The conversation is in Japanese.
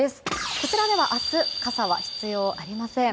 こちらでは明日傘は必要ありません。